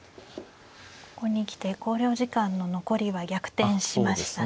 ここに来て考慮時間の残りは逆転しましたね。